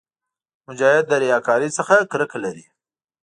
مجاهد له ریاکارۍ څخه کرکه لري.